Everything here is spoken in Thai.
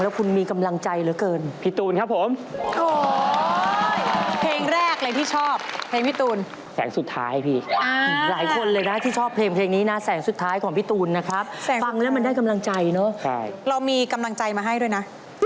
ตูนฟังแล้วคุณมีกำลังใจเหรอเกิน